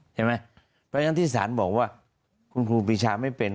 เพราะฉะนั้นที่ศาลบอกว่าคุณครูปีชาไม่เป็น